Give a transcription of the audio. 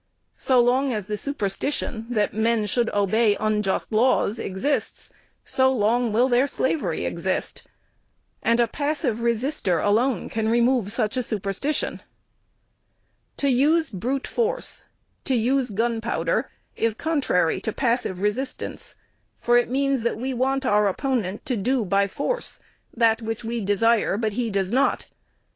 So long as the superstition that men should obey unjust laws exists, so long will their slavery exist. And a passive resister alone can remove such a superstition. To use brute force, to use gun powder is contrary to passive resistance; for it means that we want our opponent to do by force that which we desire but he does not.